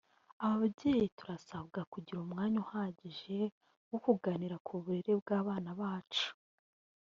Ababyeyi turasabwa kugira umwanya uhagije wo kuganira ku burere bw’abana bacu